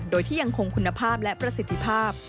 โดยที่ยังคงคุณภาพและประสิทธิภาพ